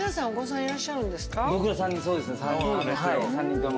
僕ら３人そうですね３人とも。